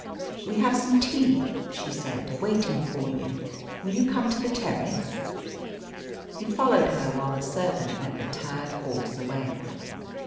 "We have some tea," she said, "waiting for you. Will you come to the terrace?" He followed her, while the servant led the tired horse away.